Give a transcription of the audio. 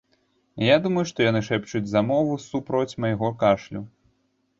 Я думаю, што яны шэпчуць замову супроць майго кашлю.